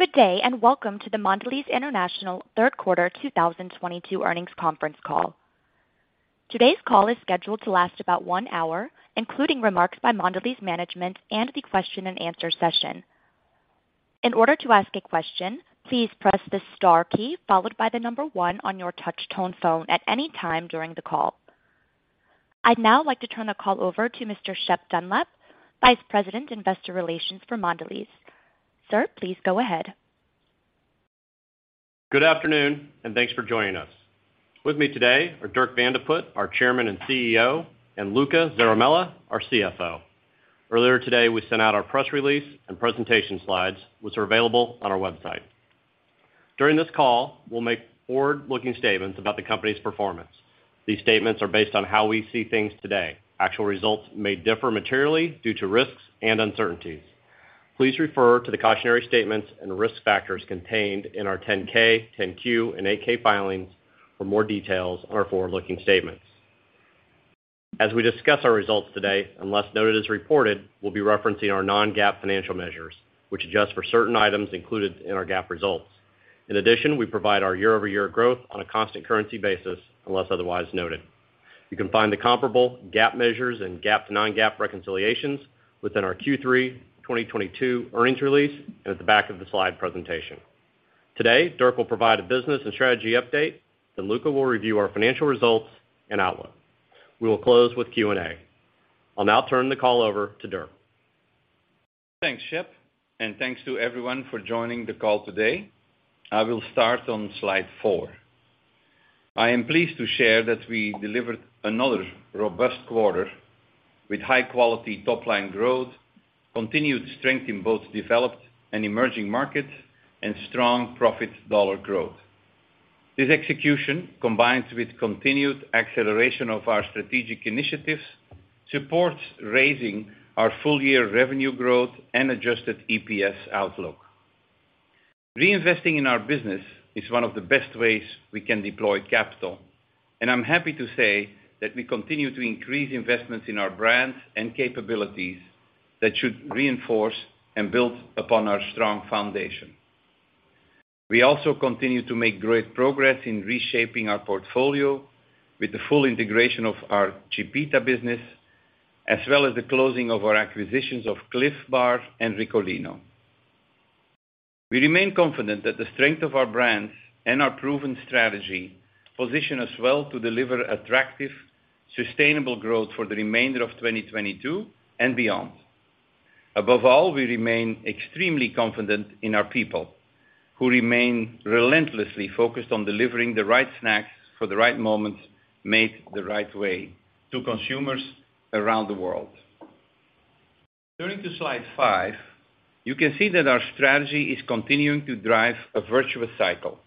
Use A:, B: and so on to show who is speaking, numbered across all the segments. A: Good day, and welcome to the Mondelēz International third quarter 2022 earnings conference call. Today's call is scheduled to last about one hour, including remarks by Mondelēz management and the question-and-answer session. In order to ask a question, please press the star key followed by the number one on your touch-tone phone at any time during the call. I'd now like to turn the call over to Mr. Shep Dunlap, Vice President, Investor Relations for Mondelēz. Sir, please go ahead.
B: Good afternoon, and thanks for joining us. With me today are Dirk Van de Put, our Chairman and CEO, and Luca Zaramella, our CFO. Earlier today, we sent out our press release and presentation slides, which are available on our website. During this call, we'll make forward-looking statements about the company's performance. These statements are based on how we see things today. Actual results may differ materially due to risks and uncertainties. Please refer to the cautionary statements and risk factors contained in our 10-K, 10-Q, and 8-K filings for more details on our forward-looking statements. As we discuss our results today, unless noted as reported, we'll be referencing our non-GAAP financial measures, which adjust for certain items included in our GAAP results. In addition, we provide our year-over-year growth on a constant currency basis, unless otherwise noted. You can find the comparable GAAP measures and GAAP to non-GAAP reconciliations within our Q3 2022 earnings release and at the back of the slide presentation. Today, Dirk will provide a business and strategy update, then Luca will review our financial results and outlook. We will close with Q&A. I'll now turn the call over to Dirk.
C: Thanks, Shep, and thanks to everyone for joining the call today. I will start on slide four. I am pleased to share that we delivered another robust quarter with high-quality top-line growth, continued strength in both developed and emerging markets, and strong profit dollar growth. This execution, combined with continued acceleration of our strategic initiatives, supports raising our full-year revenue growth and adjusted EPS outlook. Reinvesting in our business is one of the best ways we can deploy capital, and I'm happy to say that we continue to increase investments in our brands and capabilities that should reinforce and build upon our strong foundation. We also continue to make great progress in reshaping our portfolio with the full integration of our Chipita business, as well as the closing of our acquisitions of Clif Bar & Company and Ricolino. We remain confident that the strength of our brands and our proven strategy position us well to deliver attractive, sustainable growth for the remainder of 2022 and beyond. Above all, we remain extremely confident in our people, who remain relentlessly focused on delivering the right snacks for the right moments, made the right way to consumers around the world. Turning to slide five, you can see that our strategy is continuing to drive a virtuous cycle.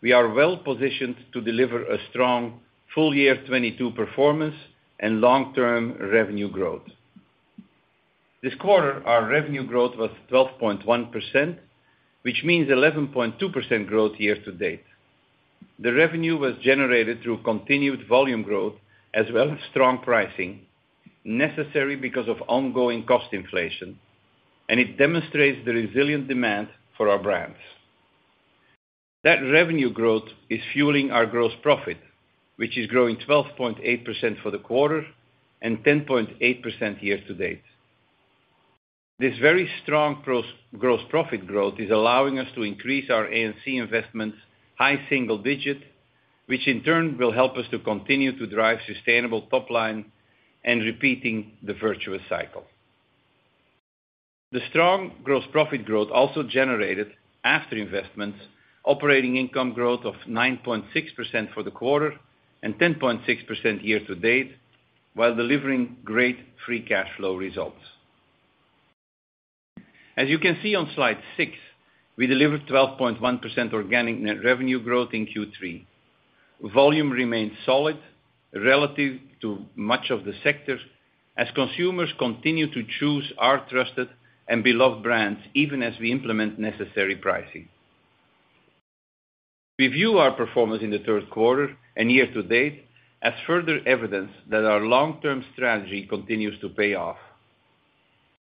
C: We are well-positioned to deliver a strong full-year 2022 performance and long-term revenue growth. This quarter, our revenue growth was 12.1%, which means 11.2% growth year-to-date. The revenue was generated through continued volume growth as well as strong pricing, necessary because of ongoing cost inflation, and it demonstrates the resilient demand for our brands. That revenue growth is fueling our gross profit, which is growing 12.8% for the quarter and 10.8% year to date. This very strong gross profit growth is allowing us to increase our A&C investments high single digit, which in turn will help us to continue to drive sustainable top line and repeating the virtuous cycle. The strong gross profit growth also generated, after investments, operating income growth of 9.6% for the quarter and 10.6% year to date, while delivering great free cash flow results. As you can see on slide 6, we delivered 12.1% organic net revenue growth in Q3. Volume remained solid relative to much of the sector as consumers continue to choose our trusted and beloved brands, even as we implement necessary pricing. We view our performance in the third quarter and year to date as further evidence that our long-term strategy continues to pay off.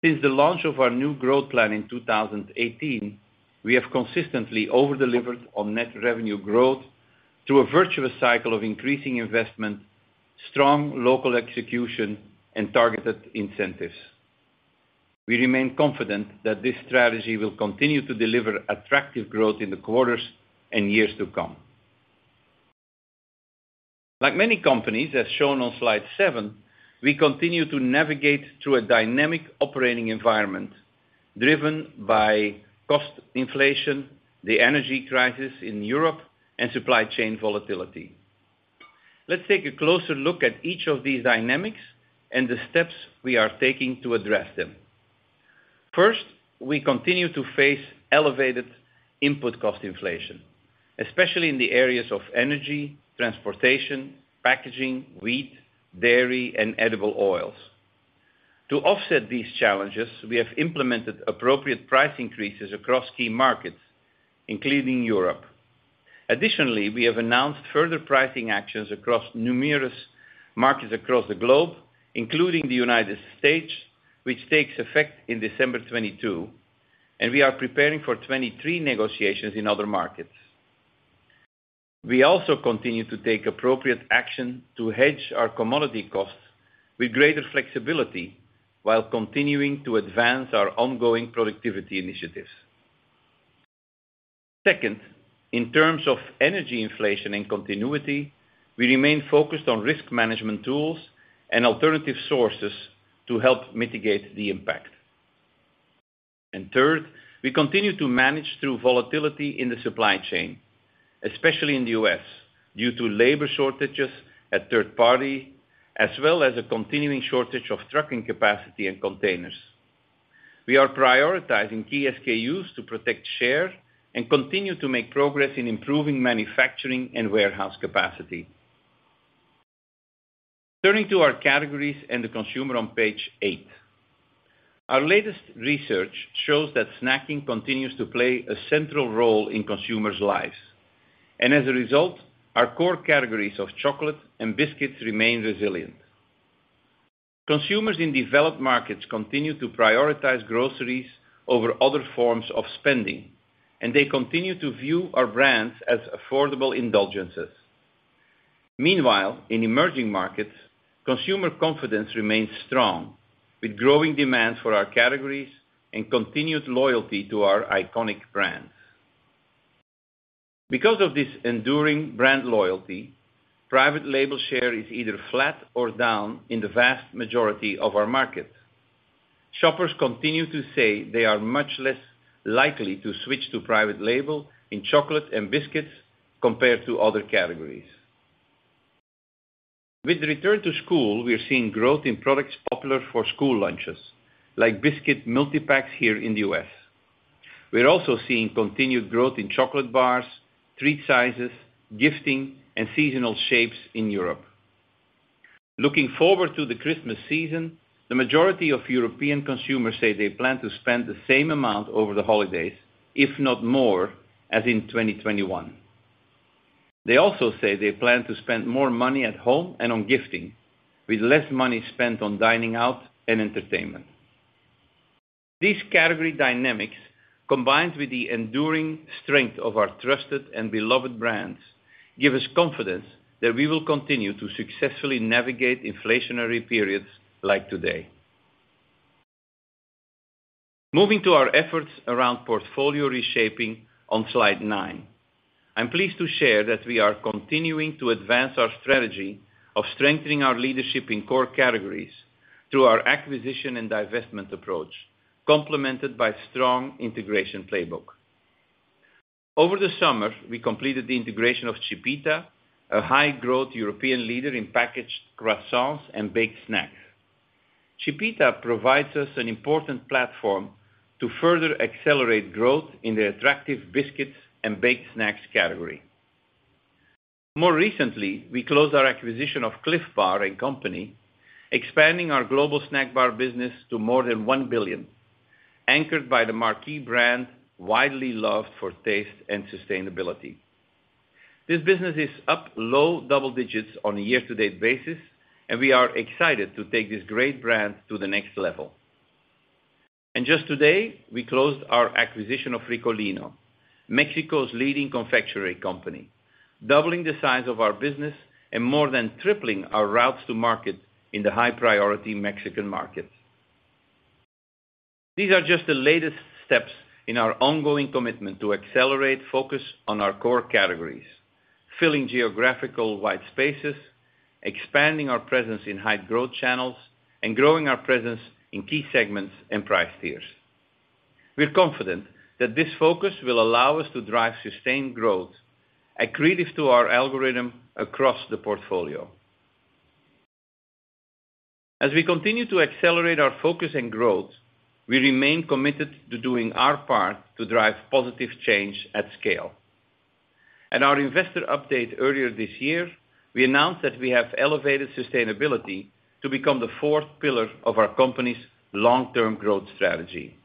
C: Since the launch of our new growth plan in 2018, we have consistently over-delivered on net revenue growth through a virtuous cycle of increasing investment, strong local execution, and targeted incentives. We remain confident that this strategy will continue to deliver attractive growth in the quarters and years to come. Like many companies, as shown on slide seven, we continue to navigate through a dynamic operating environment driven by cost inflation, the energy crisis in Europe, and supply chain volatility. Let's take a closer look at each of these dynamics and the steps we are taking to address them. First, we continue to face elevated input cost inflation, especially in the areas of energy, transportation, packaging, wheat, dairy, and edible oils. To offset these challenges, we have implemented appropriate price increases across key markets, including Europe. Additionally, we have announced further pricing actions across numerous markets across the globe, including the United States, which takes effect in December 2022, and we are preparing for 2023 negotiations in other markets. We also continue to take appropriate action to hedge our commodity costs with greater flexibility while continuing to advance our ongoing productivity initiatives. Second, in terms of energy inflation and continuity, we remain focused on risk management tools and alternative sources to help mitigate the impact. Third, we continue to manage through volatility in the supply chain, especially in the U.S., due to labor shortages at third party, as well as a continuing shortage of trucking capacity and containers. We are prioritizing key SKUs to protect share and continue to make progress in improving manufacturing and warehouse capacity. Turning to our categories and the consumer on page eight. Our latest research shows that snacking continues to play a central role in consumers' lives. As a result, our core categories of Chocolate and Biscuits & Baked Snacks remain resilient. Consumers in developed markets continue to prioritize groceries over other forms of spending, and they continue to view our brands as affordable indulgences. Meanwhile, in emerging markets, consumer confidence remains strong, with growing demand for our categories and continued loyalty to our iconic brands. Because of this enduring brand loyalty, private label share is either flat or down in the vast majority of our markets. Shoppers continue to say they are much less likely to switch to private label in chocolate and biscuits compared to other categories. With return to school, we are seeing growth in products popular for school lunches, like biscuit multi-packs here in the U.S. We're also seeing continued growth in chocolate bars, treat sizes, gifting, and seasonal shapes in Europe. Looking forward to the Christmas season, the majority of European consumers say they plan to spend the same amount over the holidays, if not more, as in 2021. They also say they plan to spend more money at home and on gifting, with less money spent on dining out and entertainment. These category dynamics, combined with the enduring strength of our trusted and beloved brands, give us confidence that we will continue to successfully navigate inflationary periods like today. Moving to our efforts around portfolio reshaping on slide 9. I'm pleased to share that we are continuing to advance our strategy of strengthening our leadership in core categories through our acquisition and divestment approach, complemented by strong integration playbook. Over the summer, we completed the integration of Chipita, a high-growth European leader in packaged croissants and baked snacks. Chipita provides us an important platform to further accelerate growth in the attractive Biscuits & Baked Snacks category. More recently, we closed our acquisition of Clif Bar & Company, expanding our global snack bar business to more than $1 billion, anchored by the marquee brand widely loved for taste and sustainability. This business is up low double digits on a year-to-date basis, and we are excited to take this great brand to the next level. Just today, we closed our acquisition of Ricolino, Mexico's leading confectionery company, doubling the size of our business and more than tripling our routes to market in the high-priority Mexican market. These are just the latest steps in our ongoing commitment to accelerate focus on our core categories, filling geographic white spaces, expanding our presence in high-growth channels, and growing our presence in key segments and price tiers. We're confident that this focus will allow us to drive sustained growth accretive to our algorithm across the portfolio. As we continue to accelerate our focus and growth, we remain committed to doing our part to drive positive change at scale. At our investor update earlier this year, we announced that we have elevated sustainability to become the fourth pillar of our company's long-term growth strategy.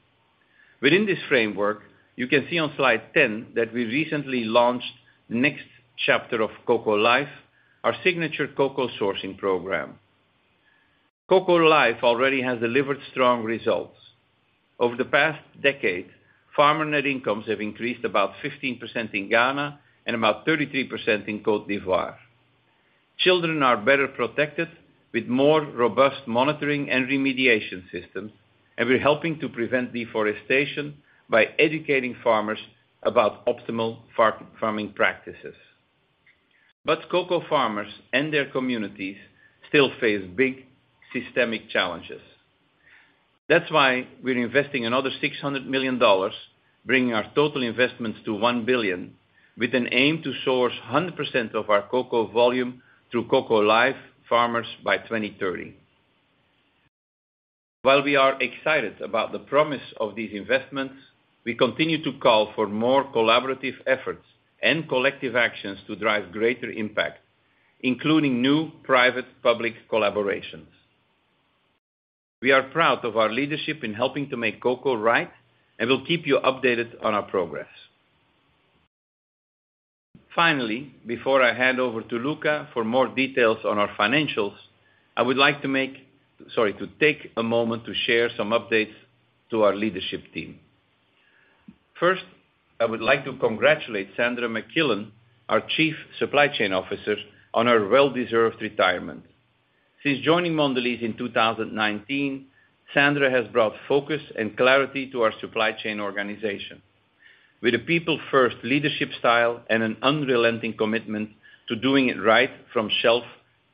C: Within this framework, you can see on slide 10 that we recently launched the next chapter of Cocoa Life, our signature cocoa sourcing program. Cocoa Life already has delivered strong results. Over the past decade, farmer net incomes have increased about 15% in Ghana and about 33% in Côte d'Ivoire. Children are better protected with more robust monitoring and remediation systems, and we're helping to prevent deforestation by educating farmers about optimal fair-farming practices. Cocoa farmers and their communities still face big systemic challenges. That's why we're investing another $600 million, bringing our total investments to $1 billion, with an aim to source 100% of our cocoa volume through Cocoa Life farmers by 2030. While we are excited about the promise of these investments, we continue to call for more collaborative efforts and collective actions to drive greater impact, including new private-public collaborations. We are proud of our leadership in helping to make cocoa right, and we'll keep you updated on our progress. Finally, before I hand over to Luca for more details on our financials, I would like to take a moment to share some updates to our leadership team. First, I would like to congratulate Sandra MacQuillan, our Chief Supply Chain Officer, on her well-deserved retirement. Since joining Mondelēz in 2019, Sandra has brought focus and clarity to our supply chain organization with a people-first leadership style and an unrelenting commitment to doing it right from shelf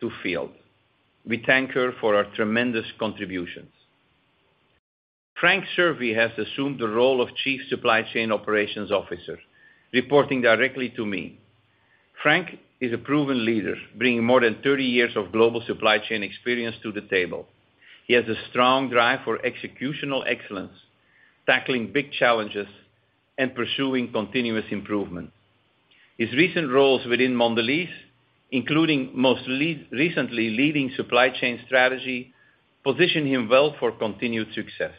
C: to field. We thank her for her tremendous contributions. Frank Cervi has assumed the role of Chief Supply Chain Operations Officer, reporting directly to me. Frank is a proven leader, bringing more than 30 years of global supply chain experience to the table. He has a strong drive for executional excellence, tackling big challenges and pursuing continuous improvement. His recent roles within Mondelēz, including recently leading supply chain strategy, position him well for continued success.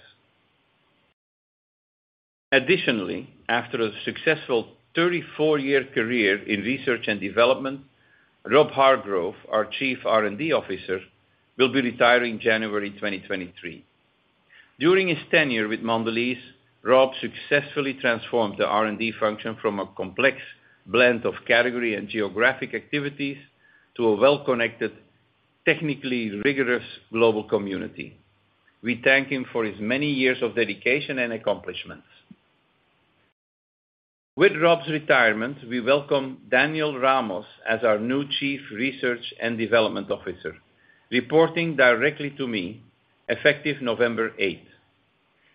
C: After a successful 34-year career in research and development, Rob Hargrove, our Chief R&D Officer, will be retiring January 2023. During his tenure with Mondelēz, Rob successfully transformed the R&D function from a complex blend of category and geographic activities to a well-connected, technically rigorous global community. We thank him for his many years of dedication and accomplishments. With Rob's retirement, we welcome Daniel Ramos as our new Chief Research and Development Officer, reporting directly to me, effective November 8th.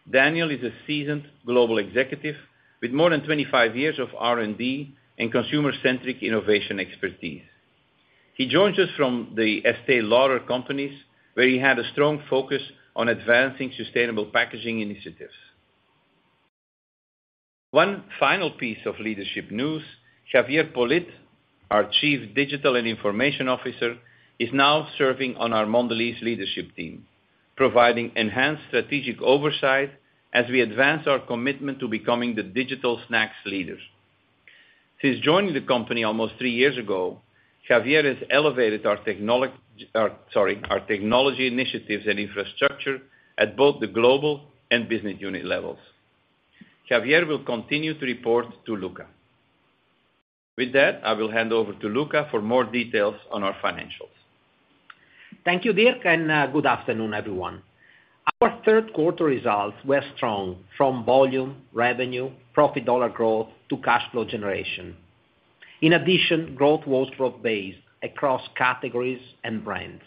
C: Daniel is a seasoned global executive with more than 25 years of R&D and consumer-centric innovation expertise. He joins us from The Estée Lauder Companies, where he had a strong focus on advancing sustainable packaging initiatives. One final piece of leadership news, Javier Polit, our Chief Digital and Information Officer, is now serving on our Mondelēz leadership team, providing enhanced strategic oversight as we advance our commitment to becoming the digital snacks leader. Since joining the company almost three years ago, Javier has elevated our technology initiatives and infrastructure at both the global and business unit levels. Javier will continue to report to Luca. With that, I will hand over to Luca for more details on our financials.
D: Thank you, Dirk, and good afternoon, everyone. Our third quarter results were strong from volume, revenue, profit dollar growth to cash flow generation. In addition, growth was broad-based across categories and brands.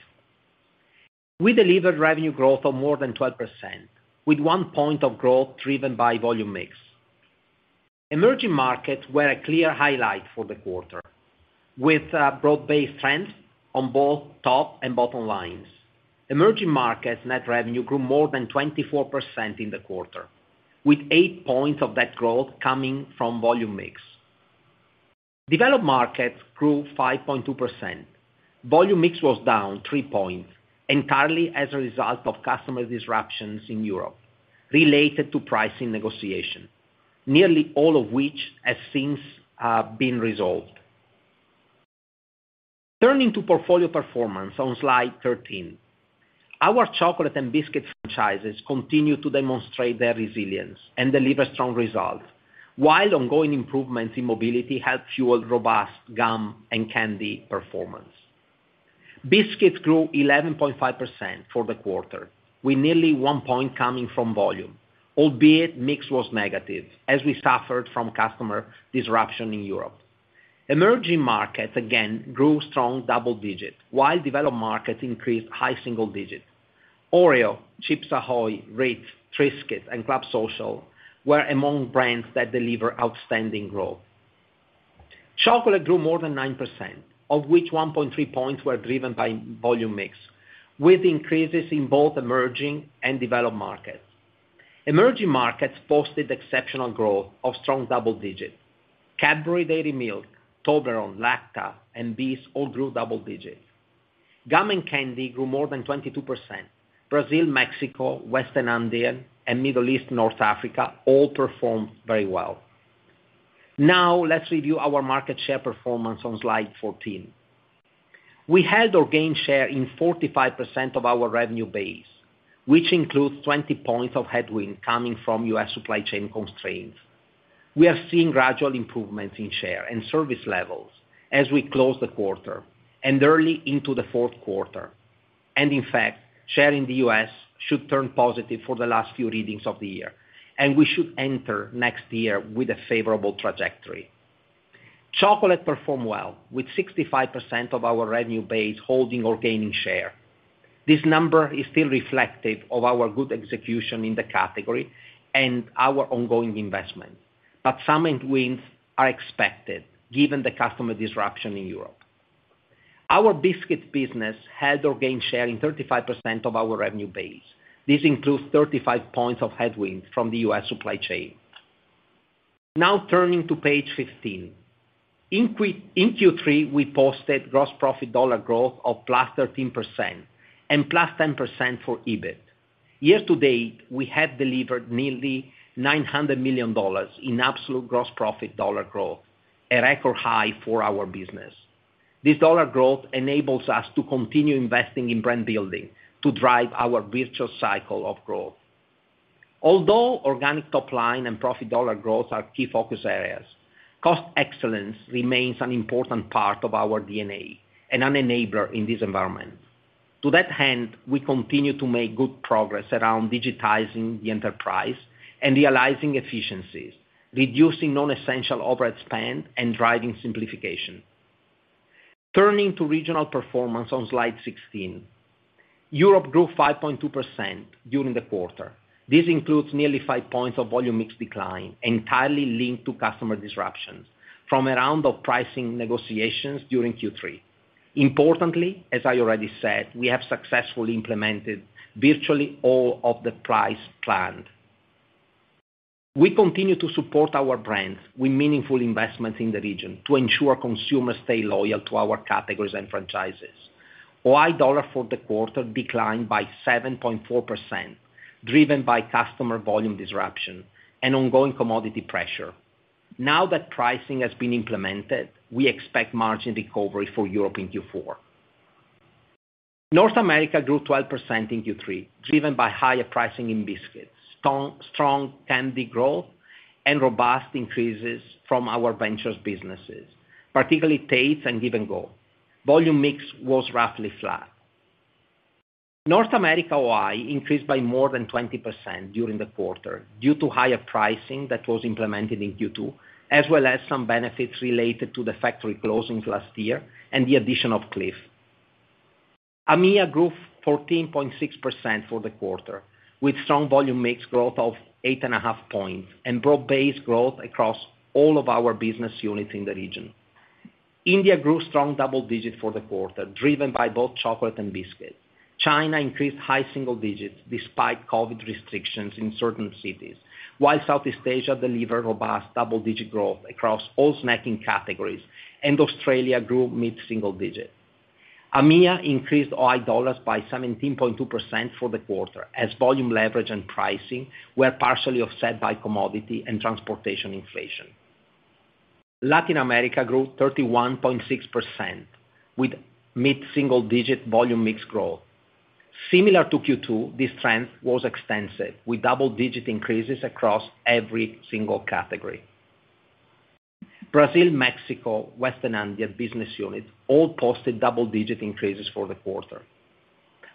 D: We delivered revenue growth of more than 12%, with 1 point of growth driven by volume mix. Emerging markets were a clear highlight for the quarter, with broad-based trends on both top and bottom lines. Emerging markets net revenue grew more than 24% in the quarter, with 8 points of that growth coming from volume mix. Developed markets grew 5.2%. Volume mix was down 3 points entirely as a result of customer disruptions in Europe related to pricing negotiation, nearly all of which has since been resolved. Turning to portfolio performance on slide 13. Our Chocolate and Biscuit & Baked Snacks franchises continue to demonstrate their resilience and deliver strong results, while ongoing improvements in mobility help fuel robust Gum & Candy performance. Biscuits & Baked Snacks grew 11.5% for the quarter, with nearly 1 point coming from volume, albeit mix was negative as we suffered from customer disruption in Europe. Emerging markets, again, grew strong double digits, while developed markets increased high single digits. Oreo, Chips Ahoy!, Ritz, Triscuit, and Club Social were among brands that delivered outstanding growth. Chocolate grew more than 9%, of which 1.3 points were driven by volume mix, with increases in both emerging and developed markets. Emerging markets posted exceptional growth of strong double digits. Cadbury Dairy Milk, Toblerone, Lacta, and Bis all grew double digits. Gum & Candy grew more than 22%. Brazil, Mexico, Western Andean, and Middle East, North Africa all performed very well. Now, let's review our market share performance on slide 14. We held or gained share in 45% of our revenue base, which includes 20 points of headwind coming from U.S. supply chain constraints. We are seeing gradual improvements in share and service levels as we close the quarter and early into the fourth quarter. In fact, share in the U.S. should turn positive for the last few readings of the year, and we should enter next year with a favorable trajectory. Chocolate performed well with 65% of our revenue base holding or gaining share. This number is still reflective of our good execution in the category and our ongoing investment, but some headwinds are expected given the customer disruption in Europe. Our Biscuit & Baked Snacks business held or gained share in 35% of our revenue base. This includes 35 points of headwind from the U.S. supply chain. Now turning to page 15. In Q3, we posted gross profit dollar growth of +13% and +10% for EBIT. Year to date, we have delivered nearly $900 million in absolute gross profit dollar growth, a record high for our business. This dollar growth enables us to continue investing in brand building to drive our virtuous cycle of growth. Although organic top line and profit dollar growth are key focus areas, cost excellence remains an important part of our DNA and an enabler in this environment. To that end, we continue to make good progress around digitizing the enterprise and realizing efficiencies, reducing non-essential operating spend, and driving simplification. Turning to regional performance on slide 16. Europe grew 5.2% during the quarter. This includes nearly 5 points of volume mix decline, entirely linked to customer disruptions from a round of pricing negotiations during Q3. Importantly, as I already said, we have successfully implemented virtually all of the pricing planned. We continue to support our brands with meaningful investments in the region to ensure consumers stay loyal to our categories and franchises. OI dollar for the quarter declined by 7.4%, driven by customer volume disruption and ongoing commodity pressure. Now that pricing has been implemented, we expect margin recovery for Europe in Q4. North America grew 12% in Q3, driven by higher pricing in Biscuits & Baked Snacks, strong Gum & Candy growth, and robust increases from our ventures businesses, particularly Tate's Bake Shop and Give & Go. Volume mix was roughly flat. North America OI increased by more than 20% during the quarter due to higher pricing that was implemented in Q2, as well as some benefits related to the factory closings last year and the addition of Clif Bar. AMEA grew 14.6% for the quarter, with strong volume mix growth of 8.5 points and broad-based growth across all of our business units in the region. India grew strong double digits for the quarter, driven by both Chocolate and Biscuits & Baked Snacks. China increased high single digits despite COVID restrictions in certain cities, while Southeast Asia delivered robust double-digit growth across all snacking categories, and Australia grew mid-single digit. AMEA increased OI dollars by 17.2% for the quarter, as volume leverage and pricing were partially offset by commodity and transportation inflation. Latin America grew 31.6%, with mid-single digit volume mix growth. Similar to Q2, this trend was extensive, with double-digit increases across every single category. Brazil, Mexico, Western Andean business unit all posted double-digit increases for the quarter.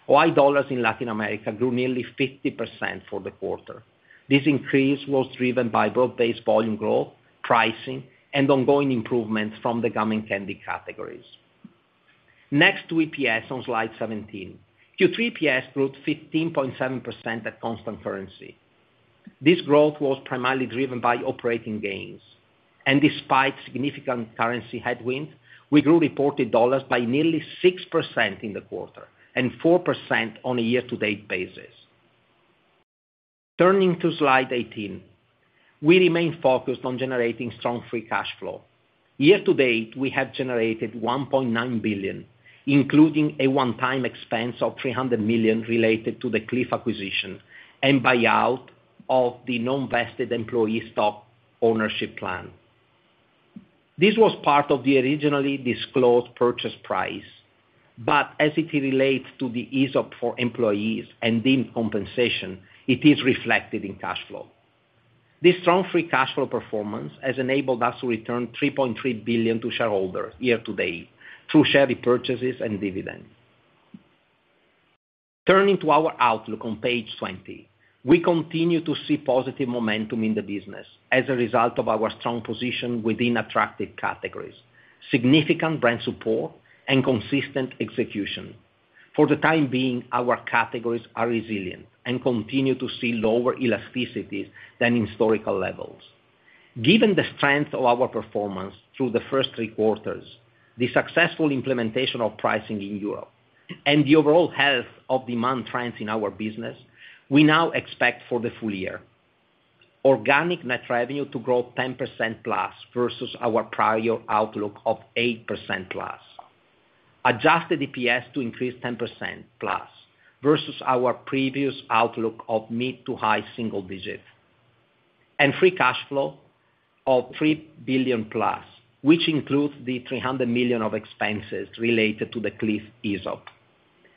D: OI dollars in Latin America grew nearly 50% for the quarter. This increase was driven by broad-based volume growth, pricing, and ongoing improvements from the Gum & Candy categories. Next to EPS on slide 17. Q3 EPS grew 15.7% at constant currency. This growth was primarily driven by operating gains. Despite significant currency headwind, we grew reported dollars by nearly 6% in the quarter and 4% on a year-to-date basis. Turning to slide 18. We remain focused on generating strong free cash flow. Year-to-date, we have generated $1.9 billion, including a one-time expense of $300 million related to the Clif Bar acquisition and buyout of the non-vested employee stock ownership plan. This was part of the originally disclosed purchase price, but as it relates to the ESOP for employees and deemed compensation, it is reflected in cash flow. This strong free cash flow performance has enabled us to return $3.3 billion to shareholders year to date through share repurchases and dividends. Turning to our outlook on page 20. We continue to see positive momentum in the business as a result of our strong position within attractive categories, significant brand support and consistent execution. For the time being, our categories are resilient and continue to see lower elasticities than historical levels. Given the strength of our performance through the first three quarters, the successful implementation of pricing in Europe and the overall health of demand trends in our business, we now expect for the full year organic net revenue to grow 10%+ versus our prior outlook of 8%+. Adjusted EPS to increase 10%+ versus our previous outlook of mid- to high-single digits. Free cash flow of $3 billion+, which includes the $300 million of expenses related to the Clif Bar ESOP,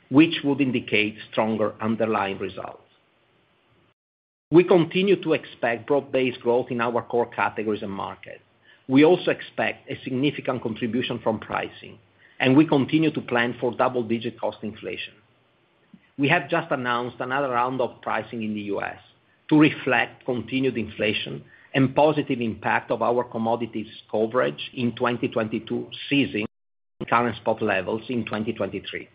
D: which would indicate stronger underlying results. We continue to expect broad-based growth in our core categories and market. We also expect a significant contribution from pricing, and we continue to plan for double-digit cost inflation. We have just announced another round of pricing in the U.S. to reflect continued inflation and positive impact of our commodities coverage in 2022, versus current spot levels in 2023.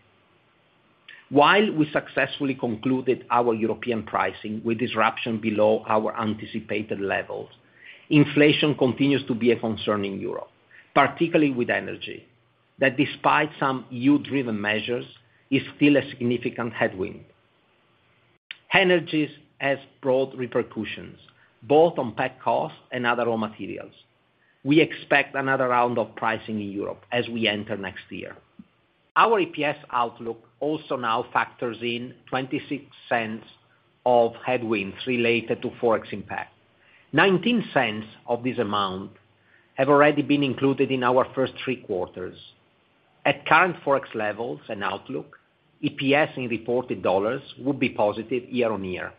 D: While we successfully concluded our European pricing with disruption below our anticipated levels, inflation continues to be a concern in Europe, particularly with energy, that despite some E.U.-driven measures, is still a significant headwind. Energy has broad repercussions both on pack costs and other raw materials. We expect another round of pricing in Europe as we enter next year. Our EPS outlook also now factors in $0.26 of headwinds related to Forex impact. $0.19 of this amount have already been included in our first three quarters. At current Forex levels and outlook, EPS in reported dollars will be positive year-over-year,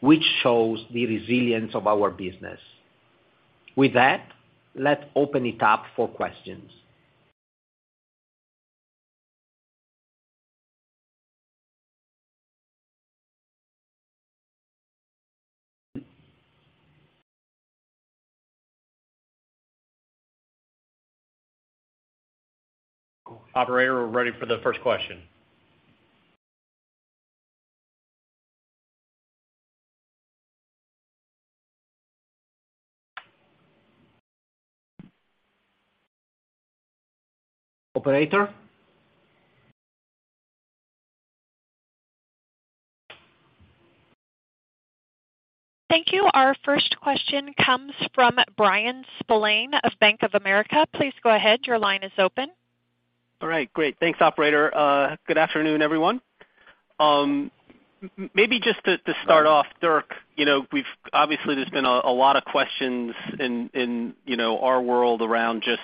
D: which shows the resilience of our business. With that, let's open it up for questions.
C: Operator, we're ready for the first question.
D: Operator?
A: Thank you. Our first question comes from Bryan Spillane of Bank of America. Please go ahead. Your line is open.
E: All right, great. Thanks, operator. Good afternoon, everyone. Maybe just to start off, Dirk, you know, obviously, there's been a lot of questions in, you know, our world around just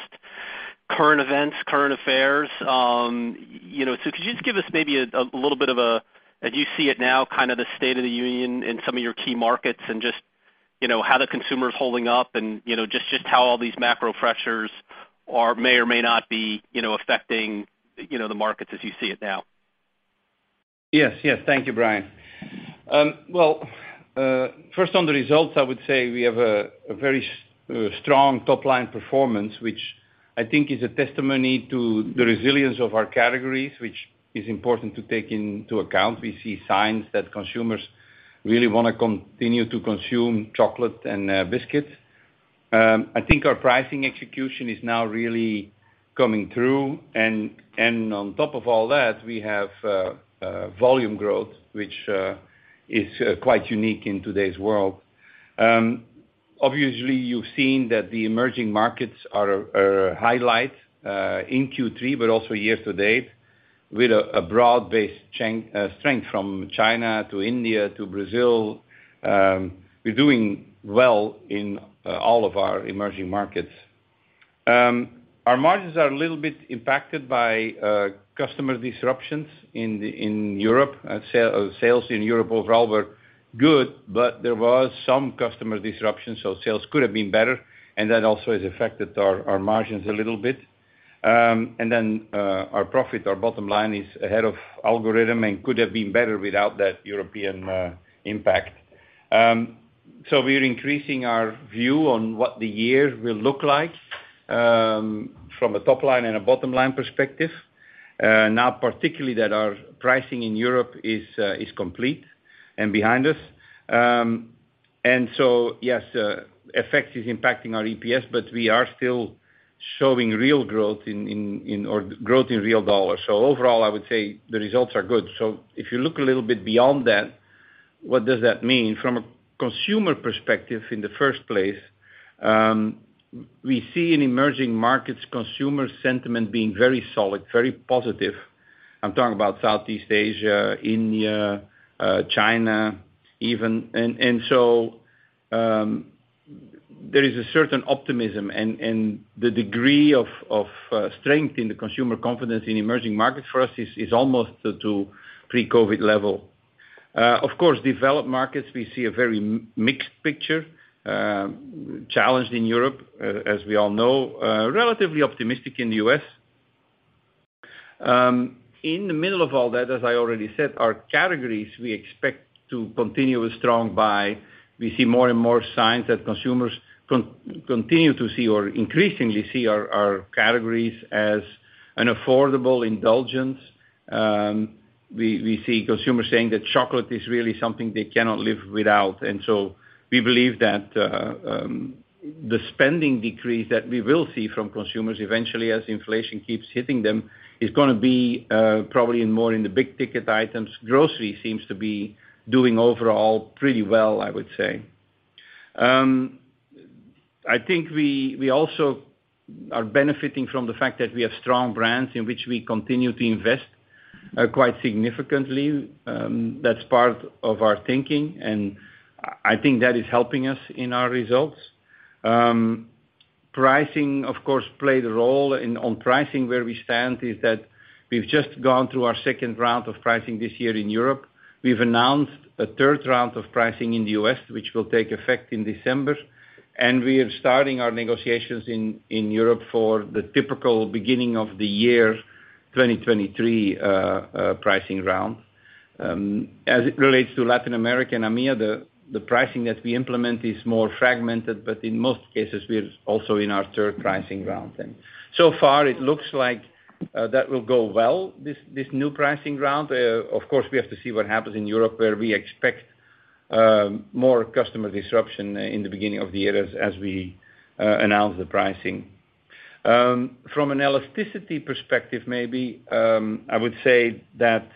E: current events, current affairs. You know, could you just give us maybe a little bit of a, as you see it now, kinda the state of the union in some of your key markets and just, you know, how the consumer is holding up and, you know, just how all these macro pressures are may or may not be, you know, affecting, you know, the markets as you see it now.
C: Yes, yes. Thank you, Bryan. First on the results, I would say we have a very strong top line performance, which I think is a testimony to the resilience of our categories, which is important to take into account. We see signs that consumers really wanna continue to consume chocolate and biscuits. I think our pricing execution is now really coming through. On top of all that, we have volume growth, which is quite unique in today's world. Obviously you've seen that the emerging markets are a highlight in Q3, but also year to date, with a broad-based strength from China to India to Brazil. We're doing well in all of our emerging markets. Our margins are a little bit impacted by customer disruptions in Europe. Sales in Europe overall were good, but there was some customer disruptions, so sales could have been better, and that also has affected our margins a little bit. Our profit, our bottom line is ahead of algorithm and could have been better without that European impact. We are increasing our view on what the year will look like from a top line and a bottom-line perspective, now particularly that our pricing in Europe is complete and behind us. Yes, effect is impacting our EPS, but we are still showing real growth in or growth in real dollars. Overall, I would say the results are good. If you look a little bit beyond that, what does that mean? From a consumer perspective, in the first place, we see in emerging markets consumer sentiment being very solid, very positive. I'm talking about Southeast Asia, India, China even. There is a certain optimism and the degree of strength in the consumer confidence in emerging markets for us is almost to pre-COVID level. Of course, developed markets, we see a very mixed picture, challenged in Europe, as we all know, relatively optimistic in the U.S. In the middle of all that, as I already said, our categories we expect to continue a strong buy. We see more and more signs that consumers continue to see or increasingly see our categories as an affordable indulgence. We see consumers saying that chocolate is really something they cannot live without. We believe that the spending decrease that we will see from consumers eventually as inflation keeps hitting them is gonna be probably more in the big ticket items. Grocery seems to be doing overall pretty well, I would say. I think we also are benefiting from the fact that we have strong brands in which we continue to invest quite significantly. That's part of our thinking, and I think that is helping us in our results. Pricing, of course, played a role. On pricing, where we stand is that we've just gone through our second round of pricing this year in Europe. We've announced a third round of pricing in the U.S., which will take effect in December, and we are starting our negotiations in Europe for the typical beginning of the year 2023 pricing round. As it relates to Latin America and AMEA, the pricing that we implement is more fragmented, but in most cases we're also in our third pricing round. So far it looks like that will go well, this new pricing round. Of course, we have to see what happens in Europe, where we expect more customer disruption in the beginning of the year as we announce the pricing. From an elasticity perspective, maybe I would say that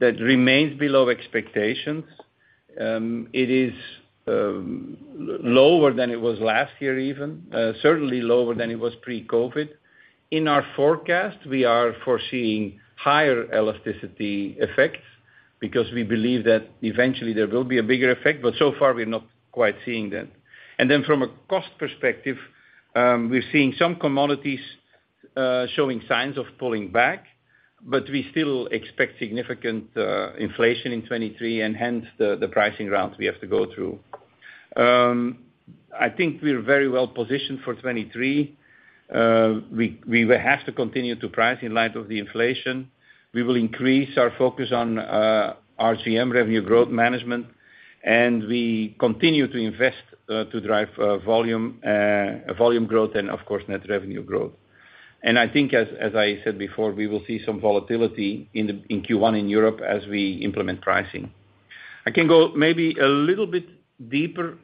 C: remains below expectations. It is lower than it was last year even, certainly lower than it was pre-COVID. In our forecast, we are foreseeing higher elasticity effects because we believe that eventually there will be a bigger effect, but so far we're not quite seeing that. From a cost perspective, we're seeing some commodities showing signs of pulling back, but we still expect significant inflation in 2023, and hence, the pricing rounds we have to go through. I think we're very well positioned for 2023. We will have to continue to price in light of the inflation. We will increase our focus on RGM, revenue growth management, and we continue to invest to drive volume growth and of course, net revenue growth. I think as I said before, we will see some volatility in Q1 in Europe as we implement pricing. I can go maybe a little bit deeper,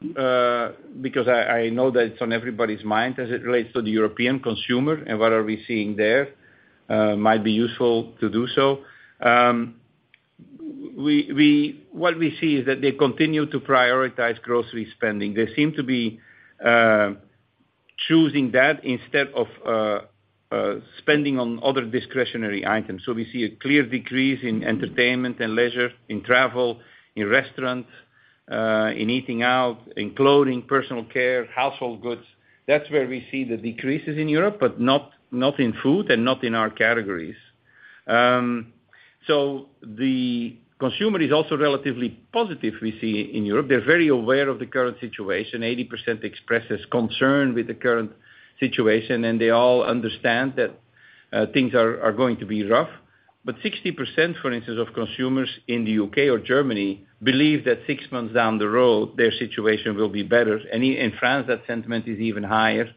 C: because I know that it's on everybody's mind as it relates to the European consumer and what are we seeing there, might be useful to do so. What we see is that they continue to prioritize grocery spending. They seem to be choosing that instead of spending on other discretionary items. We see a clear decrease in entertainment and leisure, in travel, in restaurants, in eating out, in clothing, personal care, household goods. That's where we see the decreases in Europe, but not in food and not in our categories. The consumer is also relatively positive we see in Europe. They're very aware of the current situation. 80% expresses concern with the current situation, and they all understand that things are going to be rough. 60%, for instance, of consumers in the U.K. or Germany believe that six months down the road, their situation will be better. In France, that sentiment is even higher,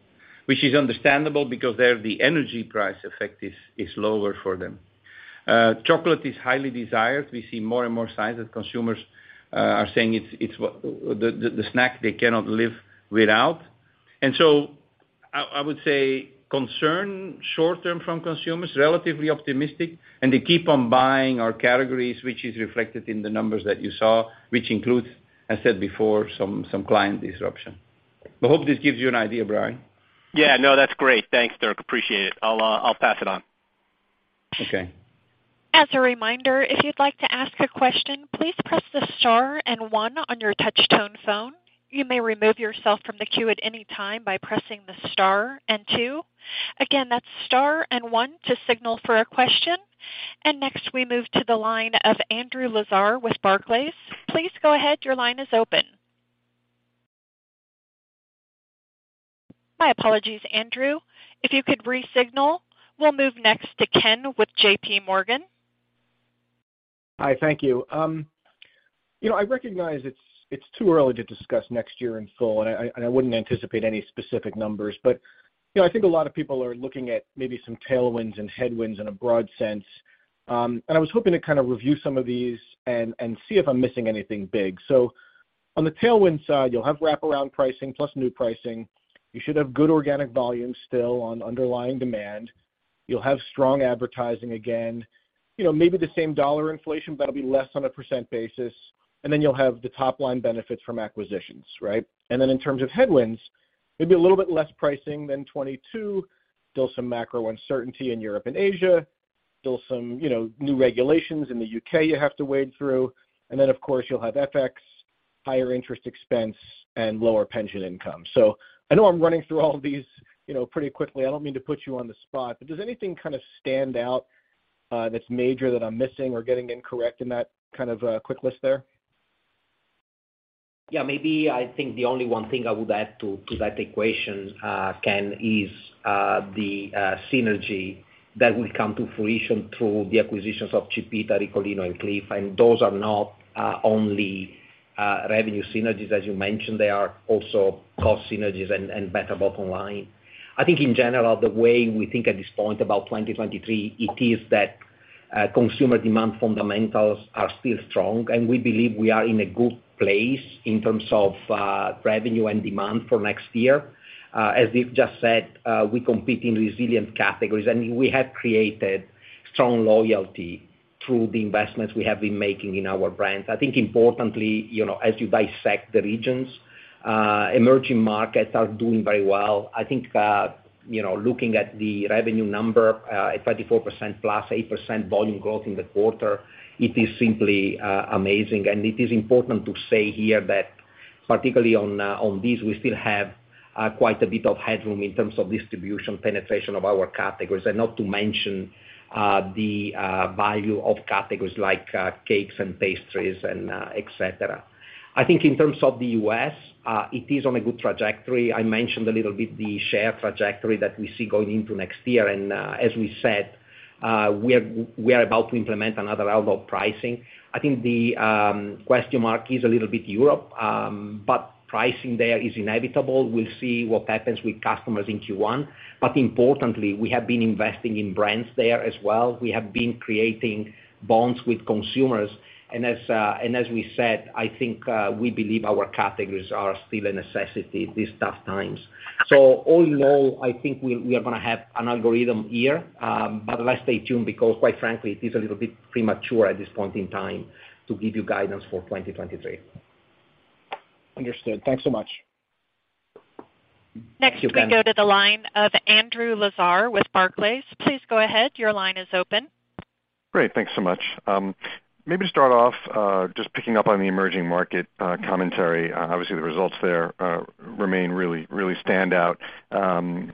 C: which is understandable because there, the energy price effect is lower for them. Chocolate is highly desired. We see more and more signs that consumers are saying it's the snack they cannot live without. I would say concern short-term from consumers, relatively optimistic, and they keep on buying our categories, which is reflected in the numbers that you saw, which includes, I said before, some client disruption. I hope this gives you an idea, Bryan.
E: Yeah, no, that's great. Thanks, Dirk. Appreciate it. I'll pass it on.
C: Okay.
A: As a reminder, if you'd like to ask a question, please press the star and one on your touch-tone phone. You may remove yourself from the queue at any time by pressing the star and two. Again, that's star and one to signal for a question. Next we move to the line of Andrew Lazar with Barclays. Please go ahead, your line is open. My apologies, Andrew. If you could re-signal, we'll move next to Ken with JPMorgan.
F: Hi, thank you. You know, I recognize it's too early to discuss next year in full, and I wouldn't anticipate any specific numbers. You know, I think a lot of people are looking at maybe some tailwinds and headwinds in a broad sense. I was hoping to kind of review some of these and see if I'm missing anything big. On the tailwind side, you'll have wraparound pricing plus new pricing. You should have good organic volume still on underlying demand. You'll have strong advertising again, you know, maybe the same dollar inflation, but it'll be less on a percentage basis. You'll have the top line benefits from acquisitions, right? In terms of headwinds, maybe a little bit less pricing than 2022. Still some macro uncertainty in Europe and Asia. Still some, you know, new regulations in the U.K. you have to wade through. Then, of course, you'll have FX, higher interest expense and lower pension income. I know I'm running through all these, you know, pretty quickly. I don't mean to put you on the spot, but does anything kind of stand out, that's major that I'm missing or getting incorrect in that kind of, quick list there?
D: Yeah, maybe I think the only one thing I would add to that equation, Ken, is the synergy that will come to fruition through the acquisitions of Chipita, Ricolino and Clif Bar. Those are not only revenue synergies as you mentioned. They are also cost synergies and better bottom line. I think in general, the way we think at this point about 2023, it is that consumer demand fundamentals are still strong, and we believe we are in a good place in terms of revenue and demand for next year. As Dirk just said, we compete in resilient categories, and we have created strong loyalty through the investments we have been making in our brands. I think importantly, you know, as you dissect the regions, emerging markets are doing very well. I think, you know, looking at the revenue number, at 34% plus 8% volume growth in the quarter, it is simply amazing. It is important to say here that particularly on this, we still have quite a bit of headroom in terms of distribution penetration of our categories, and not to mention the value of categories like cakes and pastries and et cetera. I think in terms of the U.S., it is on a good trajectory. I mentioned a little bit the share trajectory that we see going into next year. As we said, we are about to implement another round of pricing. I think the question mark is a little bit Europe, but pricing there is inevitable. We'll see what happens with customers in Q1. Importantly, we have been investing in brands there as well. We have been creating bonds with consumers. As we said, I think we believe our categories are still a necessity in these tough times. All in all, I think we are gonna have a good rhythm here. Let's stay tuned because quite frankly, it is a little bit premature at this point in time to give you guidance for 2023.
F: Understood. Thanks so much.
A: Next, we go to the line of Andrew Lazar with Barclays. Please go ahead. Your line is open.
G: Great. Thanks so much. Maybe to start off, just picking up on the emerging market commentary. Obviously the results there remain really, really stand out, and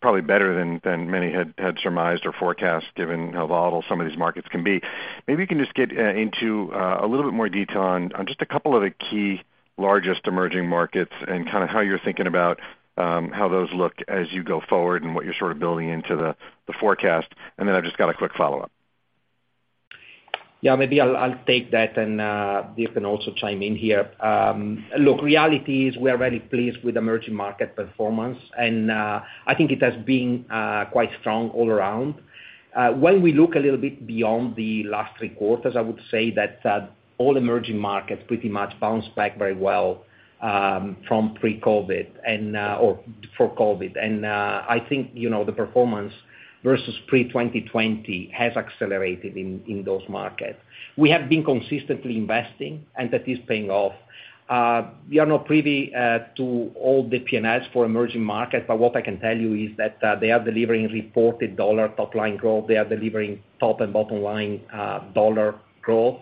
G: probably better than many had surmised or forecast given how volatile some of these markets can be. Maybe you can just get into a little bit more detail on just a couple of the key largest emerging markets and kinda how you're thinking about how those look as you go forward and what you're sort of building into the forecast. I've just got a quick follow-up.
D: Yeah, maybe I'll take that and Dirk can also chime in here. Look, reality is we are very pleased with emerging market performance, and I think it has been quite strong all around. When we look a little bit beyond the last three quarters, I would say that all emerging markets pretty much bounced back very well from pre-COVID and/or for COVID. I think, you know, the performance versus pre-2020 has accelerated in those markets. We have been consistently investing and that is paying off. We are not privy to all the P&Ls for emerging markets, but what I can tell you is that they are delivering reported dollar top line growth. They are delivering top and bottom line dollar growth,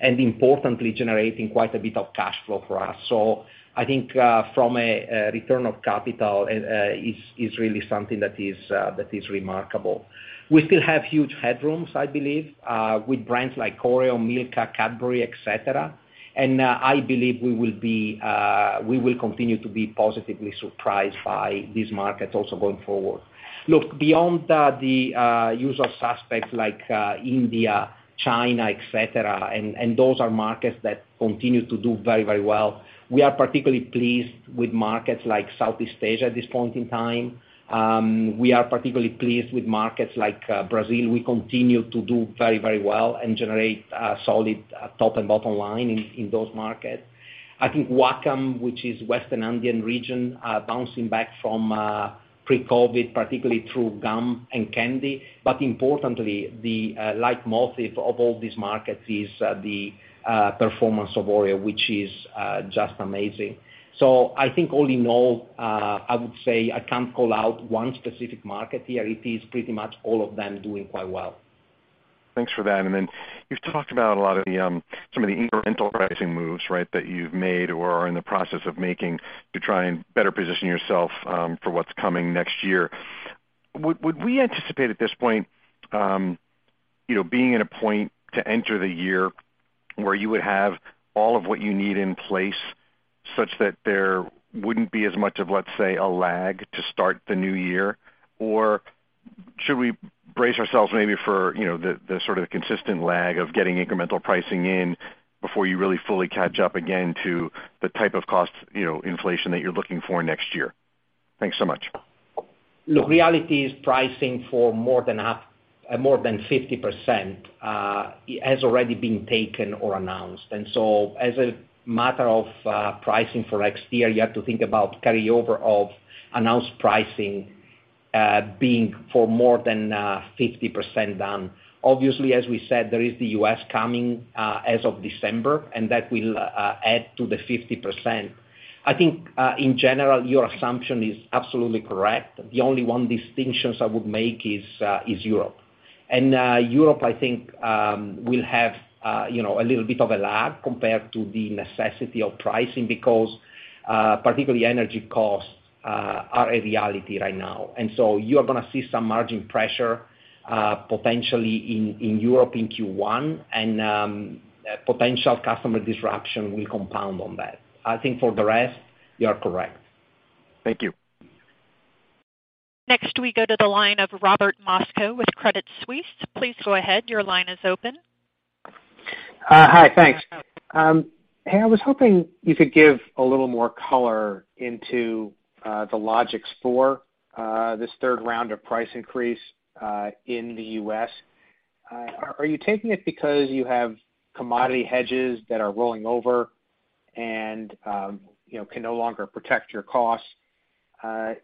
D: and importantly, generating quite a bit of cash flow for us. I think from a return of capital is really something that is remarkable. We still have huge headrooms, I believe, with brands like Oreo, Milka, Cadbury, et cetera. I believe we will continue to be positively surprised by these markets also going forward. Look, beyond the usual suspects like India, China, et cetera, those are markets that continue to do very, very well. We are particularly pleased with markets like Southeast Asia at this point in time. We are particularly pleased with markets like Brazil. We continue to do very, very well and generate solid top and bottom line in those markets. I think WACAM, which is Western Andean region, are bouncing back from pre-COVID, particularly through Gum & Candy category. Importantly, the leitmotif of all these markets is the performance of Oreo, which is just amazing. I think all in all, I would say I can't call out one specific market here. It is pretty much all of them doing quite well.
G: Thanks for that. You've talked about a lot of the some of the incremental pricing moves, right? That you've made or are in the process of making to try and better position yourself for what's coming next year. Would we anticipate at this point you know, being at a point to enter the year where you would have all of what you need in place such that there wouldn't be as much of, let's say, a lag to start the new year? Or should we brace ourselves maybe for you know, the sort of consistent lag of getting incremental pricing in before you really fully catch up again to the type of cost you know, inflation that you're looking for next year? Thanks so much.
D: Look, reality is pricing for more than half, more than 50%, has already been taken or announced. As a matter of pricing for next year, you have to think about carryover of announced pricing, being for more than 50% done. Obviously, as we said, there is the U.S. coming, as of December, and that will add to the 50%. I think, in general, your assumption is absolutely correct. The only one distinctions I would make is Europe. Europe, I think, will have, you know, a little bit of a lag compared to the necessity of pricing because, particularly energy costs, are a reality right now. You are gonna see some margin pressure, potentially in Europe in Q1, and potential customer disruption will compound on that. I think for the rest, you are correct.
G: Thank you.
A: Next, we go to the line of Robert Moskow with Credit Suisse. Please go ahead. Your line is open.
H: Hi. Thanks. Hey, I was hoping you could give a little more color on the logic for this third round of price increase in the U.S. Are you taking it because you have commodity hedges that are rolling over and, you know, can no longer protect your costs?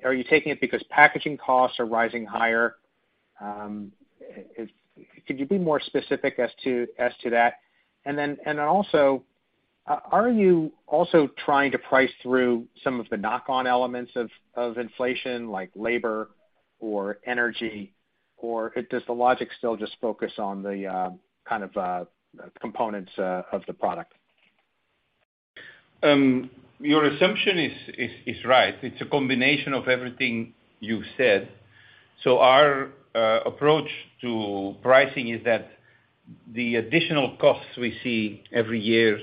H: Are you taking it because packaging costs are rising higher? Could you be more specific as to that? Are you also trying to price through some of the knock-on elements of inflation, like labor or energy, or does the logic still just focus on the kind of components of the product?
C: Your assumption is right. It's a combination of everything you said. Our approach to pricing is that the additional costs we see every year,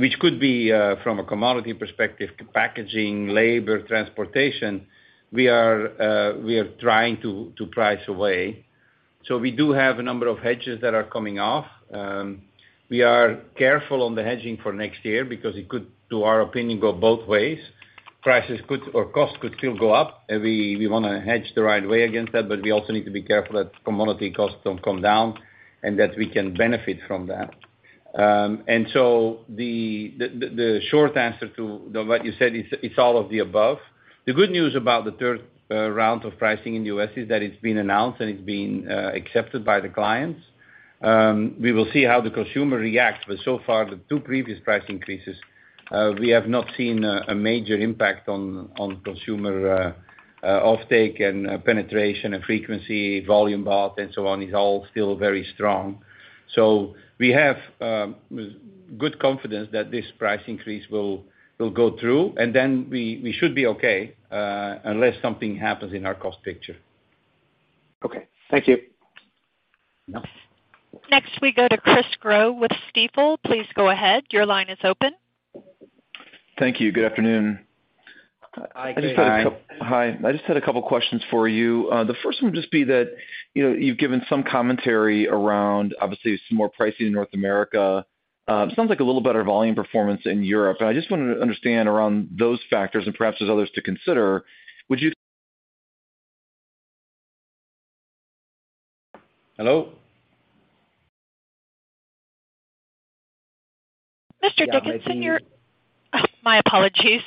C: which could be from a commodity perspective, packaging, labor, transportation, we are trying to price away. We do have a number of hedges that are coming off. We are careful on the hedging for next year because it could, to our opinion, go both ways. Prices could, or costs could still go up. We wanna hedge the right way against that, but we also need to be careful that commodity costs don't come down and that we can benefit from that. The short answer to what you said is it's all of the above. The good news about the third round of pricing in the U.S. is that it's been announced and it's been accepted by the clients. We will see how the consumer reacts, but so far, the two previous price increases, we have not seen a major impact on consumer offtake and penetration and frequency, volume bought and so on, is all still very strong. We have good confidence that this price increase will go through, and then we should be okay, unless something happens in our cost picture.
H: Okay. Thank you.
C: Sure.
A: Next we go to Chris Growe with Stifel. Please go ahead. Your line is open.
I: Thank you. Good afternoon.
C: Hi, Chris.
D: Hi.
I: Hi. I just had a couple of questions for you. The first one would just be that, you know, you've given some commentary around obviously some more pricing in North America. It sounds like a little better volume performance in Europe. I just wanted to understand around those factors, and perhaps there's others to consider, would you—
C: Hello?
A: Oh, my apologies.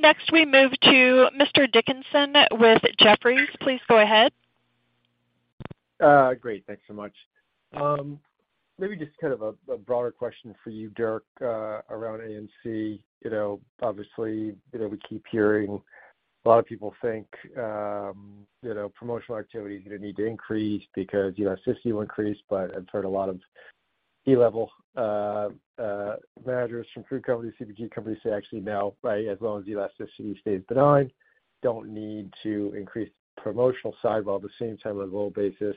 A: Next, we move to Mr. Dickerson with Jefferies. Please go ahead.
J: Great. Thanks so much. Maybe just kind of a broader question for you, Dirk, around A&C. You know, obviously, we keep hearing a lot of people think promotional activity is gonna need to increase because elasticity will increase, but I've heard a lot of C-level managers from food companies, CPG companies say actually now, right, as long as the elasticity stays benign, don't need to increase the promotional side while at the same time on a volume basis,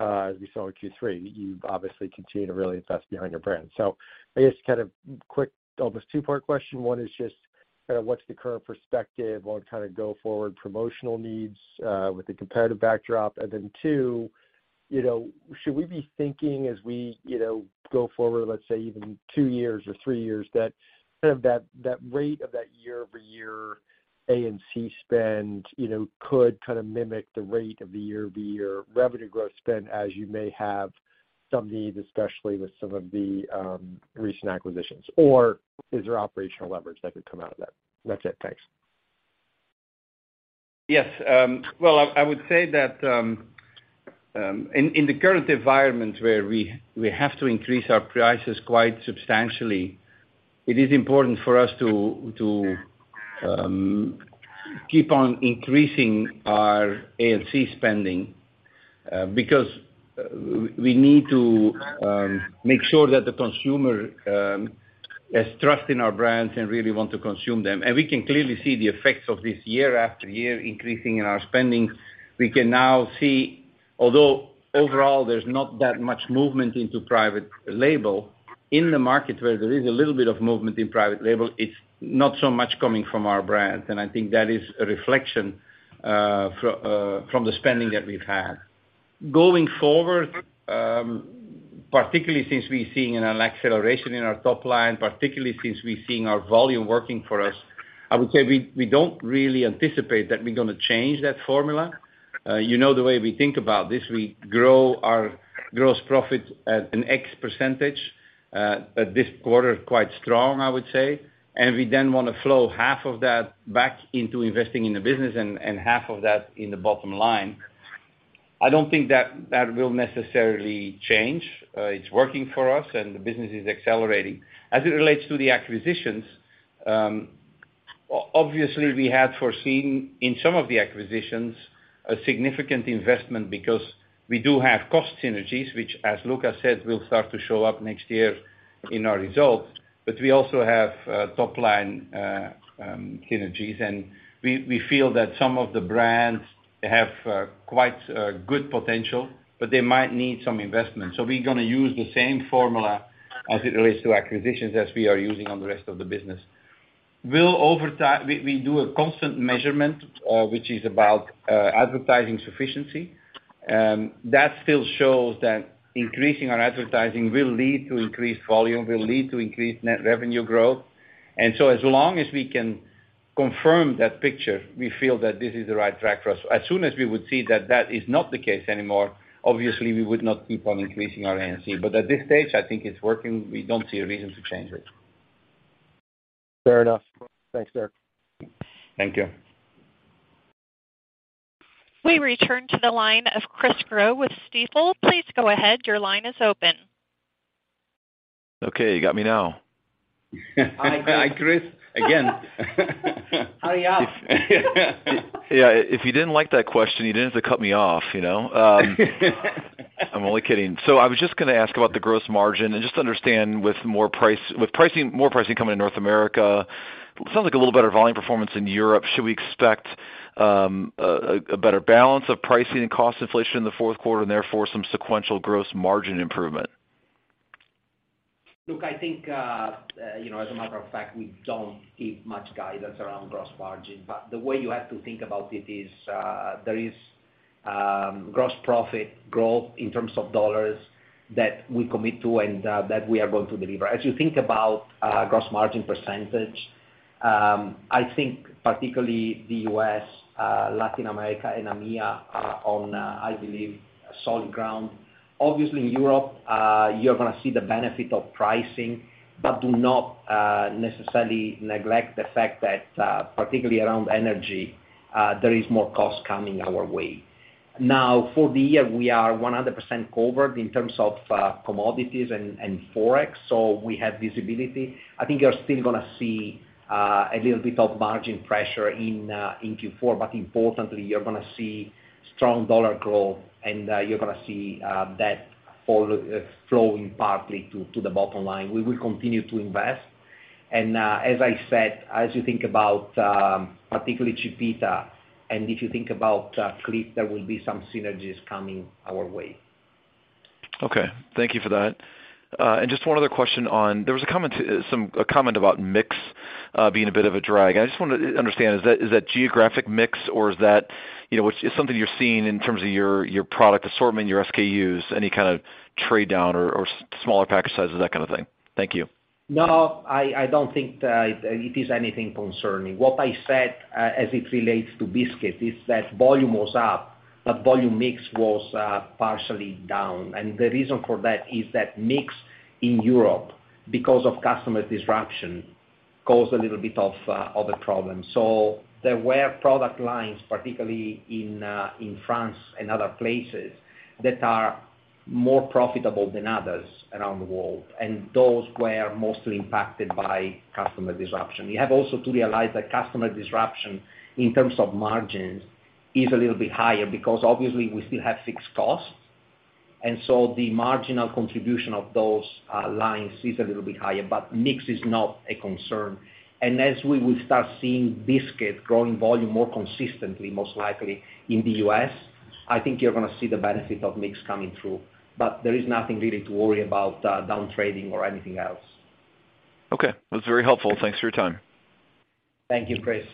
J: as we saw in Q3, you obviously continue to really invest behind your brand. I guess kind of quick, almost two-part question. One is just kind of what's the current perspective on kind of go forward promotional needs with the comparative backdrop? And then two, you know, should we be thinking as we, you know, go forward, let's say even two years or three years, that kind of rate of year-over-year A&C spend, you know, could kind of mimic the rate of the year-over-year revenue growth spend as you may have some needs, especially with some of the recent acquisitions? Or is there operational leverage that could come out of that? That's it. Thanks.
C: Yes. Well, I would say that in the current environment where we have to increase our prices quite substantially, it is important for us to keep on increasing our A&C spending, because we need to make sure that the consumer has trust in our brands and really want to consume them. We can clearly see the effects of this year after year increasing in our spending. We can now see, although overall there's not that much movement into private label in the market where there is a little bit of movement in private label, it's not so much coming from our brand. I think that is a reflection from the spending that we've had. Going forward, particularly since we're seeing an acceleration in our top line, particularly since we're seeing our volume working for us, I would say we don't really anticipate that we're gonna change that formula. You know the way we think about this, we grow our gross profit at an x percentage, at this quarter, quite strong, I would say. We then wanna flow half of that back into investing in the business and half of that in the bottom line. I don't think that will necessarily change. It's working for us, and the business is accelerating. As it relates to the acquisitions, obviously, we had foreseen in some of the acquisitions a significant investment because we do have cost synergies, which, as Luca said, will start to show up next year in our results. We also have top line synergies. We feel that some of the brands have quite good potential, but they might need some investment. We're gonna use the same formula as it relates to acquisitions as we are using on the rest of the business. We'll over time. We do a constant measurement, which is about advertising sufficiency. That still shows that increasing our advertising will lead to increased volume, will lead to increased net revenue growth. As long as we can confirm that picture, we feel that this is the right track for us. As soon as we would see that that is not the case anymore, obviously, we would not keep on increasing our A&C. At this stage, I think it's working. We don't see a reason to change it.
J: Fair enough. Thanks, Dirk.
C: Thank you.
A: We return to the line of Chris Growe with Stifel. Please go ahead. Your line is open.
I: Okay. You got me now.
C: Hi, Chris, again.
D: How are you?
I: Yeah. If you didn't like that question, you didn't have to cut me off, you know? I'm only kidding. I was just gonna ask about the gross margin. Just to understand with pricing, more pricing coming in North America, it sounds like a little better volume performance in Europe, should we expect a better balance of pricing and cost inflation in the fourth quarter and therefore some sequential gross margin improvement?
D: Look, I think, you know, as a matter of fact, we don't give much guidance around gross margin. The way you have to think about it is, there is gross profit growth in terms of dollars that we commit to and that we are going to deliver. As you think about gross margin percentage, I think particularly the U.S., Latin America and AMEA are on, I believe, solid ground. Obviously, in Europe, you're gonna see the benefit of pricing, but do not necessarily neglect the fact that, particularly around energy, there is more cost coming our way. Now for the year, we are 100% covered in terms of commodities and Forex, so we have visibility. I think you're still gonna see a little bit of margin pressure in Q4, but importantly, you're gonna see strong dollar growth, and you're gonna see that flowing partly to the bottom line. We will continue to invest. As I said, as you think about particularly Chipita, and if you think about Clif, there will be some synergies coming our way.
I: Okay. Thank you for that. Just one other question. There was a comment about mix being a bit of a drag. I just wanted to understand, is that geographic mix, or is that, you know, it's something you're seeing in terms of your product assortment, your SKUs, any kind of trade down or smaller package sizes, that kind of thing? Thank you.
D: No, I don't think that it is anything concerning. What I said, as it relates to biscuit is that volume was up, but volume mix was partially down. The reason for that is that mix in Europe, because of customer disruption, caused a little bit of a problem. There were product lines, particularly in France and other places, that are more profitable than others around the world, and those were mostly impacted by customer disruption. You have also to realize that customer disruption in terms of margins is a little bit higher because obviously we still have fixed costs. The marginal contribution of those lines is a little bit higher, but mix is not a concern. As we will start seeing Biscuit & Baked Snacks growing volume more consistently, most likely in the U.S., I think you're gonna see the benefit of mix coming through. But there is nothing really to worry about, down trading or anything else.
I: Okay. That's very helpful. Thanks for your time.
D: Thank you, Chris.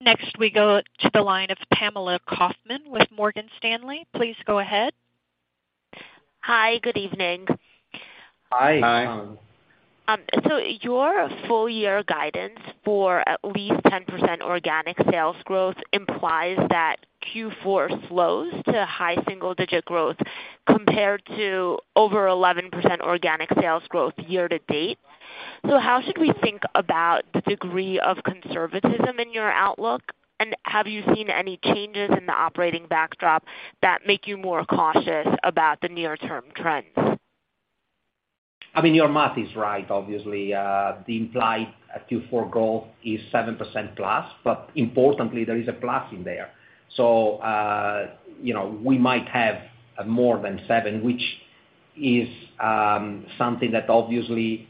A: Next, we go to the line of Pamela Kaufman with Morgan Stanley. Please go ahead.
K: Hi, good evening.
D: Hi.
C: Hi.
K: Your full-year guidance for at least 10% organic sales growth implies that Q4 slows to high single-digit growth compared to over 11% organic sales growth year-to-date. How should we think about the degree of conservatism in your outlook? Have you seen any changes in the operating backdrop that make you more cautious about the near-term trends?
D: I mean, your math is right, obviously. The implied Q4 goal is 7%+, but importantly, there is a plus in there. You know, we might have more than 7%, which is something that obviously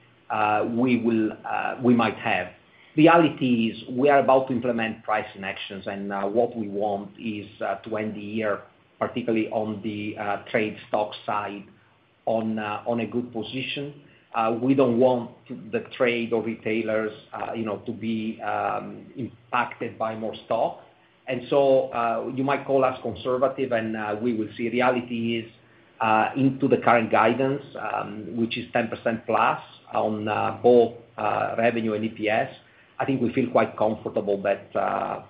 D: we might have. Reality is we are about to implement pricing actions, and what we want is to end the year, particularly on the trade stock side, on a good position. We don't want the trade or retailers to be impacted by more stock. You might call us conservative, and we will see. Reality is into the current guidance, which is 10%+ on both revenue and EPS. I think we feel quite comfortable that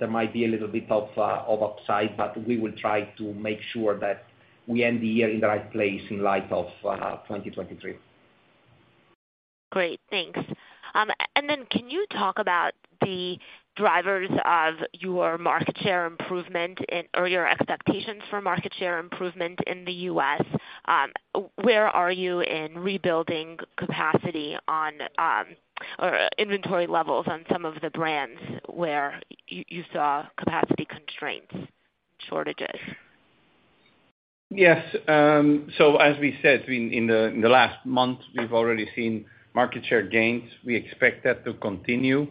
D: there might be a little bit of of upside, but we will try to make sure that we end the year in the right place in light of 2023.
K: Great. Thanks. Can you talk about the drivers of your market share improvement in the U.S. or your expectations for market share improvement in the U.S.? Where are you in rebuilding capacity on or inventory levels on some of the brands where you saw capacity constraints, shortages?
C: Yes. As we said in the last month, we've already seen market share gains. We expect that to continue.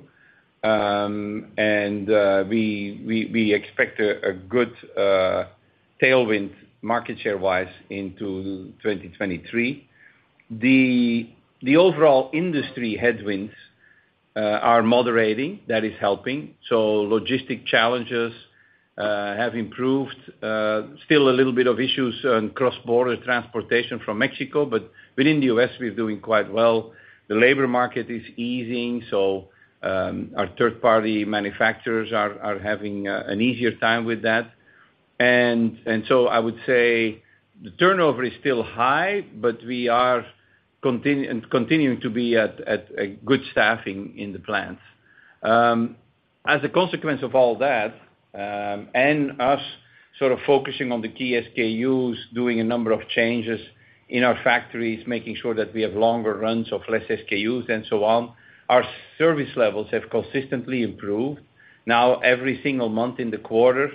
C: We expect a good tailwind market share-wise into 2023. The overall industry headwinds are moderating. That is helping. Logistic challenges have improved. Still a little bit of issues on cross-border transportation from Mexico, but within the U.S., we're doing quite well. The labor market is easing, so our third-party manufacturers are having an easier time with that. I would say the turnover is still high, but we are continuing to be at a good staffing in the plants. As a consequence of all that, and us sort of focusing on the key SKUs, doing a number of changes in our factories, making sure that we have longer runs of less SKUs and so on, our service levels have consistently improved now every single month in the quarter.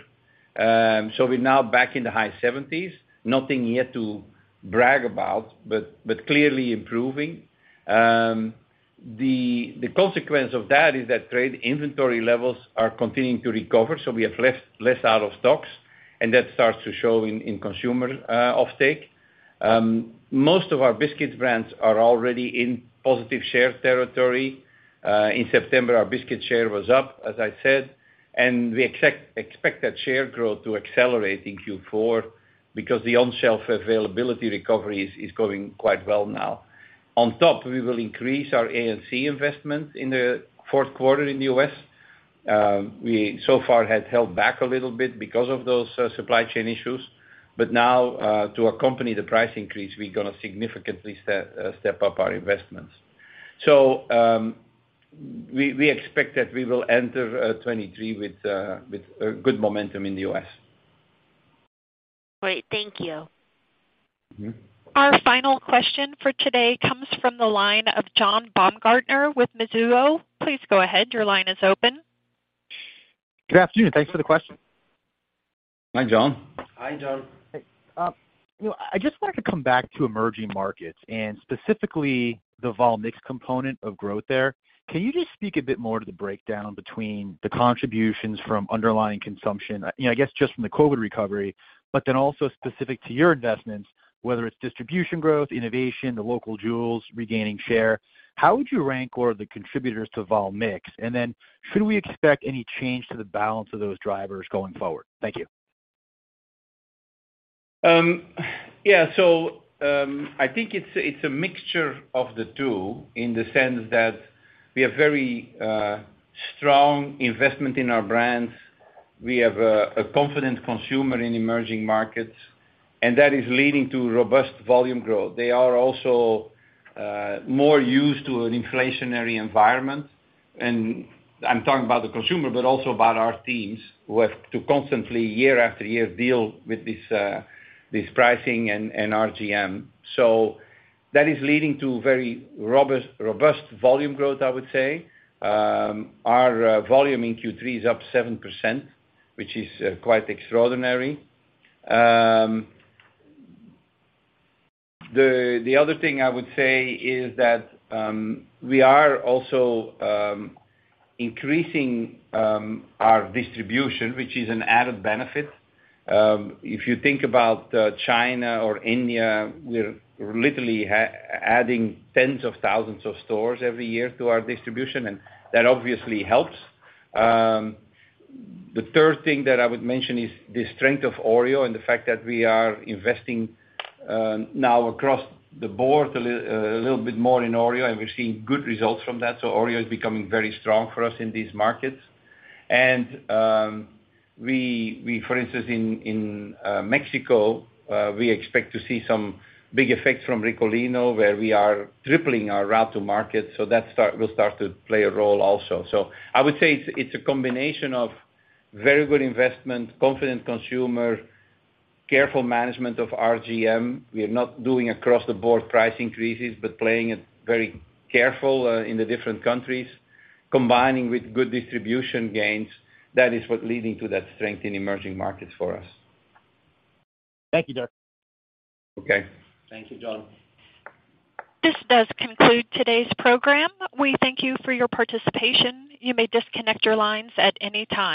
C: We're now back in the high seventies. Nothing yet to brag about, but clearly improving. The consequence of that is that trade inventory levels are continuing to recover, so we have less out of stocks, and that starts to show in consumer offtake. Most of our biscuit brands are already in positive share territory. In September, our Biscuit & Baked Snacks share was up, as I said, and we expect that share growth to accelerate in Q4 because the on-shelf availability recovery is going quite well now. On top, we will increase our A&C investment in the fourth quarter in the U.S. We so far had held back a little bit because of those supply chain issues, but now, to accompany the price increase, we're gonna significantly step up our investments. We expect that we will enter 2023 with a good momentum in the U.S.
K: Great. Thank you.
C: Mm-hmm.
A: Our final question for today comes from the line of John Baumgartner with Mizuho. Please go ahead. Your line is open.
L: Good afternoon. Thanks for the question.
C: Hi, John.
D: Hi, John.
L: Hey. You know, I just wanted to come back to emerging markets and specifically the vol mix component of growth there. Can you just speak a bit more to the breakdown between the contributions from underlying consumption? You know, I guess just from the COVID recovery, but then also specific to your investments, whether it's distribution growth, innovation, the local jewels regaining share. How would you rank all of the contributors to vol mix? And then should we expect any change to the balance of those drivers going forward? Thank you.
C: Yeah. I think it's a mixture of the two in the sense that we have very strong investment in our brands. We have a confident consumer in emerging markets, and that is leading to robust volume growth. They are also more used to an inflationary environment. I'm talking about the consumer, but also about our teams who have to constantly, year after year, deal with this pricing and RGM. That is leading to very robust volume growth, I would say. Our volume in Q3 is up 7%, which is quite extraordinary. The other thing I would say is that we are also increasing our distribution, which is an added benefit. If you think about China or India, we're literally adding tens of thousands of stores every year to our distribution, and that obviously helps. The third thing that I would mention is the strength of Oreo and the fact that we are investing now across the board a little bit more in Oreo, and we're seeing good results from that. Oreo is becoming very strong for us in these markets. For instance, in Mexico, we expect to see some big effects from Ricolino, where we are tripling our route to market. That will start to play a role also. I would say it's a combination of very good investment, confident consumer, careful management of RGM. We are not doing across the board price increases, but playing it very careful, in the different countries, combining with good distribution gains. That is what leading to that strength in emerging markets for us.
L: Thank you, Dirk.
C: Okay.
D: Thank you, John.
A: This does conclude today's program. We thank you for your participation. You may disconnect your lines at any time.